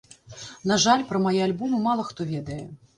На жаль, пра мае альбомы мала хто ведае.